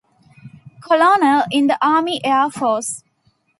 Colonel in the Army Air Force.